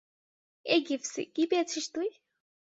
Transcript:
এই গিফসি, কি পেয়েছিস তুই?